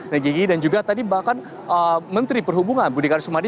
nah gigi dan juga tadi bahkan menteri perhubungan budi karyadi